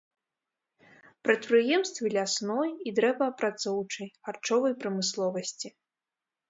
Прадпрыемствы лясной і дрэваапрацоўчай, харчовай прамысловасці.